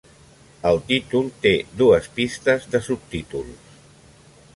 El títol té dues pistes de subtítols.